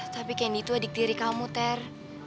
tapi kan itu adik diri kamu ter